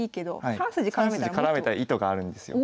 ３筋絡めた意図があるんですよ。